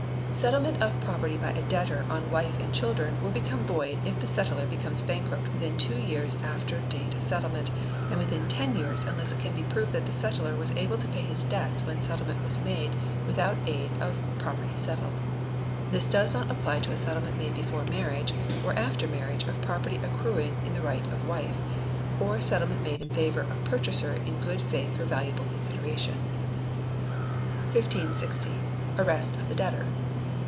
Settlement of property by a Debtor on wife and children will become void if the settlor becomes bankrupt within two years after date of settlement, and within ten years unless it can be proved that the settlor was able to pay his debts when settlement was made without aid of property settled. This does not apply to a settlement made before marriage, or after marriage of property accruing in the right of wife, or settlement made in favour of purchaser in good faith for valuable consideration. 1560. Arrest of the Debtor.